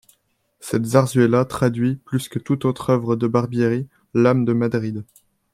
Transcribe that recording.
Cette zarzuela traduit, plus que toute autre œuvre de Barbieri, l'âme de Madrid.